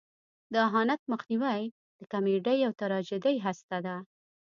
د اهانت مخنیوی د کمیډۍ او تراژیدۍ هسته ده.